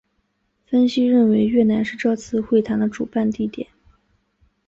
分析认为越南是这次会谈的主办地点。